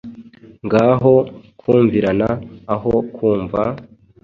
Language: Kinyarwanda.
Ngaho kumvirana aho kumva,